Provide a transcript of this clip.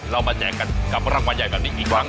เรามาแจกกันกับรางวัลใหญ่แบบนี้อีกครั้ง